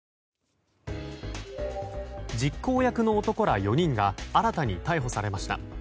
実行役の男ら４人が新たに逮捕されました。